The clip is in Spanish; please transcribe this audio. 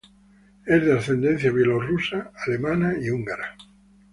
Es de ascendencia bielorrusa, alemana y húngara.